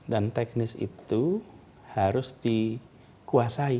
dan teknis itu harus dikuasai